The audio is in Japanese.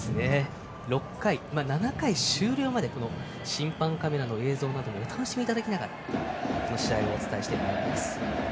６回、７回、終了まで審判カメラの映像をお楽しみいただきながらこの試合をお伝えしてまいります。